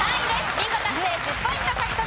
ビンゴ達成１０ポイント獲得。